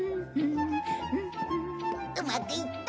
うまくいった！